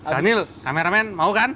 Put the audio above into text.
danil kameramen mau kan